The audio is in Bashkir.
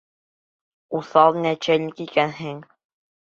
Уҫал нәчәлник икәнһең!